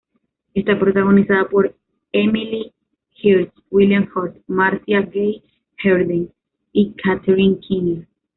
Está protagonizada por Emile Hirsch, William Hurt, Marcia Gay Harden y Catherine Keener.